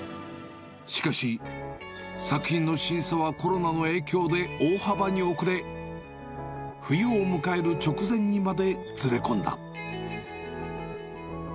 しかし、作品の審査はコロナの影響で大幅に遅れ、冬を迎える直前にまでずれ込んだ。